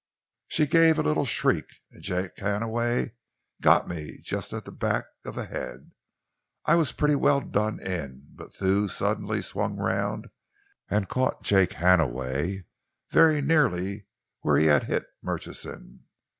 She gave a little shriek, and Jake Hannaway got me just at the back of the head. I was pretty well done in, but Thew suddenly swung round and caught Jake Hannaway very nearly where he had hit Murchison.